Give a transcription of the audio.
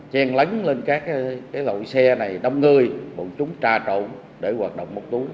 chen lánh lên các lội xe này đông ngơi bọn chúng trà trộn để hoạt động móc túi